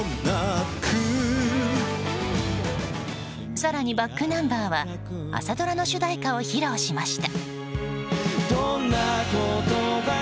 更にｂａｃｋｎｕｍｂｅｒは朝ドラの主題歌を披露しました。